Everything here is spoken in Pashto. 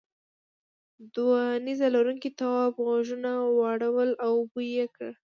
دوو نیزه لرونکو تواب غوږونه واړول او بوی یې کړ.